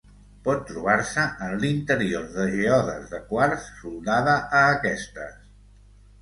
Pot trobar-se en l'interior de geodes de quars, soldada a aquestes.